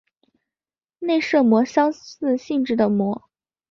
内射模相似性质的模。